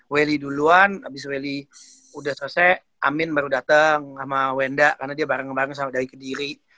wely duluan abis wely udah selesai amin baru dateng sama wenda karena dia bareng bareng sama dagi kediri